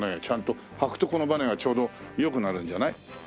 ちゃんと履くとこのバネがちょうど良くなるんじゃない？